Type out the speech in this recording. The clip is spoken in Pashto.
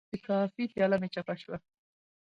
د کافي پیاله مې چپه شوه.